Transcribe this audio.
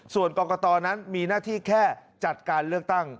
ส่วนกรกตนั้นมีหน้าที่แค่จัดการเลือกตั้ง